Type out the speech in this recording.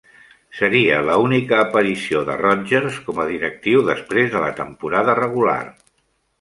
Seria la única aparició de Rodgers com a directiu després de la temporada regular.